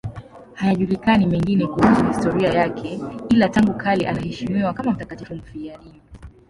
Hayajulikani mengine kuhusu historia yake, ila tangu kale anaheshimiwa kama mtakatifu mfiadini.